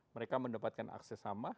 mereka mendapatkan akses sama